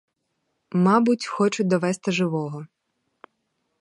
Мабуть, хочуть довезти живого.